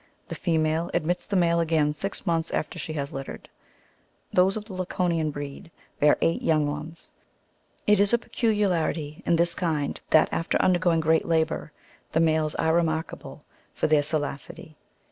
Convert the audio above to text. The female admits the male again six months after she has littered. Those of the Laconian breed bear eight young ones. It is a peculiarity in this kind, that after undergoing great labour, the males are remarkable for their salacity.